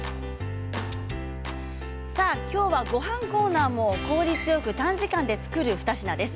今日はごはんコーナーも効率よく短時間で作れる料理です。